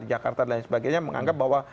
jakarta dan sebagainya menganggap bahwa